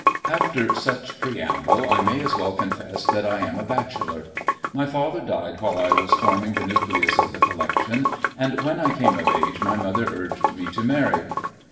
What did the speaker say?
After such preamble I may as well confess that I am a bachelor. My father died while I was forming the nucleus of the collection, and when I came of age my mother urged me to marry.